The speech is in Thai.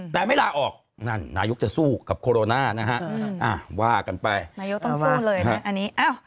แต่ไม่รอออกนันมรายุกติดซูนี่โคโลนะฮะว่ากันไปเลยอันนี้